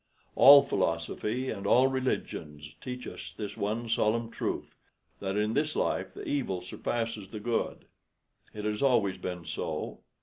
All philosophy and all religions teach us this one solemn truth, that in this life the evil surpasses the good. It has always been so.